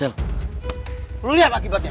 lu liat akibatnya